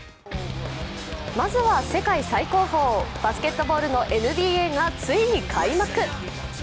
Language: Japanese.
まずは世界最高峰、バスケットボールのＮＢＡがついに開幕。